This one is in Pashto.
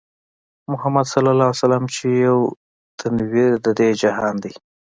محمدص چې يو تنوير د دې جهان دی